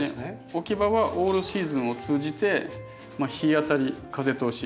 置き場はオールシーズンを通じて日当たり風通し。